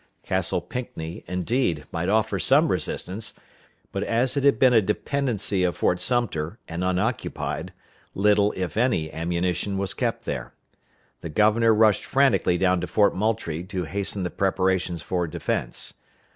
Castle Pinckney, indeed, might offer some resistance, but as it had been a dependency of Fort Sumter, and unoccupied, little, if any, ammunition was kept there. The governor rushed frantically down to Fort Moultrie to hasten the preparations for defense.